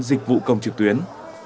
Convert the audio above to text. dịch vụ công trực tuyến